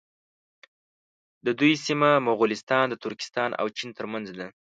د دوی سیمه مغولستان د ترکستان او چین تر منځ ده.